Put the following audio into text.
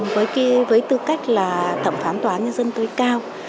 với tư cách là thẩm phán tòa án nhân dân tối cao